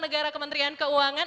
negara kementrian keuangan